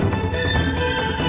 ibu tolong ya pak ya